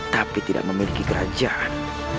tapi tidak memiliki kerajaan